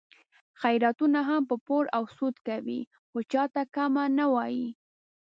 خیراتونه هم په پور او سود کوي، خو چاته کمه نه وایي.